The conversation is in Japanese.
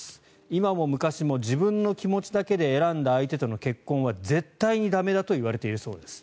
今も昔も自分の気持ちだけで選んだ相手との結婚は絶対に駄目だといわれているそうです。